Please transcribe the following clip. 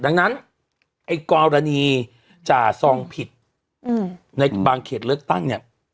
ดังนั้นไอ้กรณีจ่าซองผิดในบางเขตเลือกตั้งเนี่ย